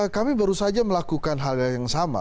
kami baru saja melakukan hal yang sama